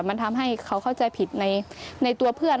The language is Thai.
มันทำให้เขาเข้าใจผิดในตัวเพื่อน